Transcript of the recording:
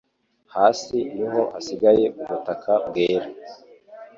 hasi niho hasigaye ubutaka bwera